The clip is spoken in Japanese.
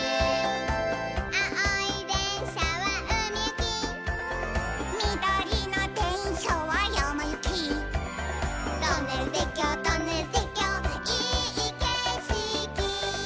「あおいでんしゃはうみゆき」「みどりのでんしゃはやまゆき」「トンネルてっきょうトンネルてっきょういいけしき」